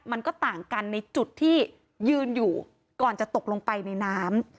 มันก็ต่างกันในจุดที่ยืนอยู่ก่อนจะตกลงไปในน้ำ